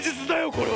これは！